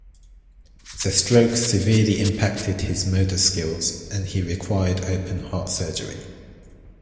The stroke severely impacted his motor skills and he required open heart surgery.